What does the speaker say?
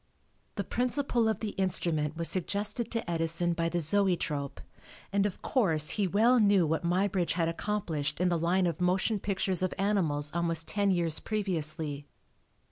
The principle of the instrument was suggested to Edison by the zoetrope, and of course, he well knew what Muybridge had accomplished in the line of motion pictures of animals almost ten years previously.